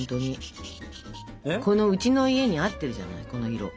このうちの家に合ってるじゃないこの色。